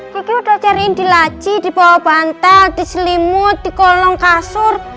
kiki udah cariin di laji di bawah bantal di selimut di kolong kasur